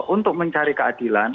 untuk mencari keadilan